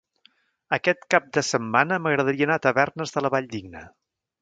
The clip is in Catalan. Aquest cap de setmana m'agradaria anar a Tavernes de la Valldigna.